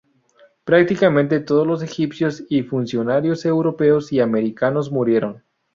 Prácticamente todos los egipcios y funcionarios europeos y americanos murieron.